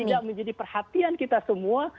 kalau ini tidak menjadi perhatian kita semua